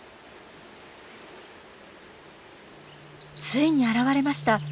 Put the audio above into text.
ついに現れました。